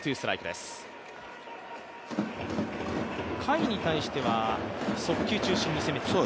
甲斐に対しては速球中心に攻めています。